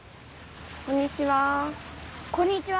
こんにちは。